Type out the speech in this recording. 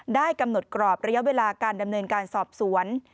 ได้กำหนดกรอบระยะเวลาการดำเนินการสอบสวน